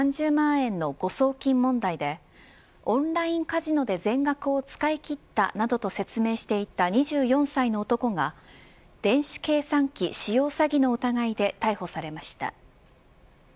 円の誤送金問題でオンラインカジノで全額を使い切ったなどと説明していた２４歳の男が電子計算機使用詐欺の疑いで逮捕されました。